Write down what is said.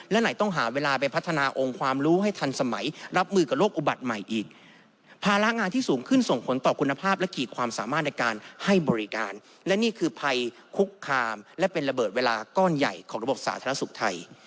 และนี่คือภัยคุกคามและเป็นระเบิดเวลาก้อนใหญ่ของระบบสาธารณสุขไทย